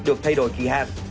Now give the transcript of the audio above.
được thay đổi kỳ hạn